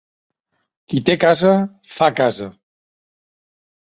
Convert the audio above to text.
Qui té casa fa casa.